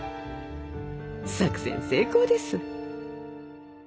作戦成功です。